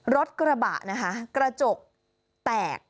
รถกระบะนะคะกระจกแตก